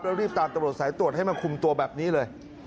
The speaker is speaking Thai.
แล้วรีบตามตำรวจสายตรวจให้มาคุมตัวแบบนี้เลย